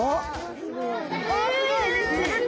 すごい。